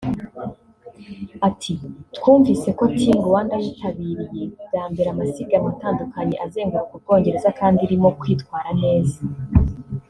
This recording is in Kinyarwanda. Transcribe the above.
Ati “Twumvise ko Team Rwanda yitabiriye bwa mbere amasiganwa atandukanye azenguruka u Bwongereza kandi irimo kwitwara neza